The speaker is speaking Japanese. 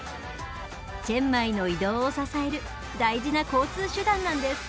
チェンマイの移動を支える大事な交通手段なんです。